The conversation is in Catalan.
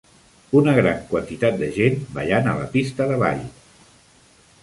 Una gran quantitat de gent ballant a la pista de ball.